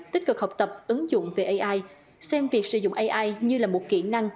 tích cực học tập ứng dụng về ai xem việc sử dụng ai như là một kỹ năng